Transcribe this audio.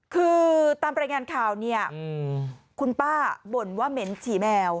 คือตามรายงานข่าวเนี่ยคุณป้าบ่นว่าเหม็นฉี่แมว